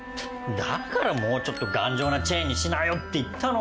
だからもうちょっと頑丈なチェーンにしなよって言ったのに。